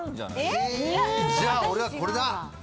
じゃあ俺はこれだ！